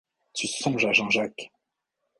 Tu songes à Jean-Jacques !